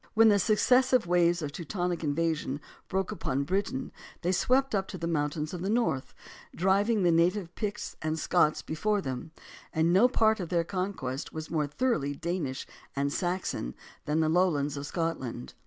When the succes sive waves of Teutonic invasion broke upon Britain they swept up to the mountains of the North, driving the native Picts and Scots before them, and no part of their conquest was more thoroughly Danish and Saxon than the lowlands of Scotland.